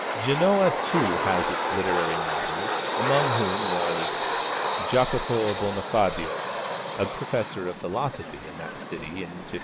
Genoa too has its literary martyrs, amongst whom was Jacopo Bonfadio, a professor of philosophy at that city in 1545.